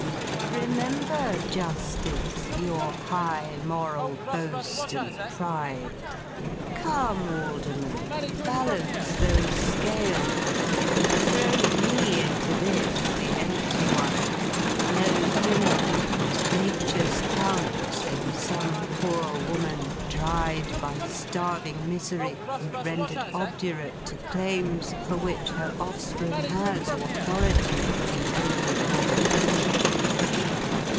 Remember, Justice, your high moral boast and pride. Come, Alderman! Balance those scales. Throw me into this, the empty one, no dinner, and Nature's founts in some poor woman, dried by starving misery and rendered obdurate to claims for which her offspring has authority in holy mother Eve.